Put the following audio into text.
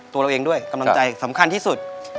ตัวเราเองด้วยกำลังใจสำคัญที่สุด